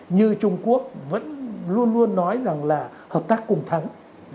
như trung quốc vẫn luôn luôn nói rằng là hợp tác cùng thắng